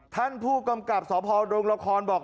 ท่านผู้กำกับสภาวดรงรหคอนบอก